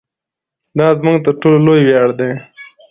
دا زموږ تر ټولو لوی ویاړ دی.